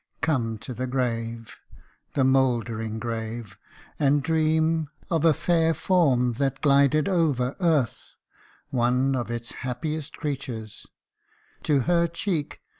Come to the grave the mouldering grave ! and dream Of a fair form that glided over earth One of its happiest creatures : to her cheek THE LOST ONE.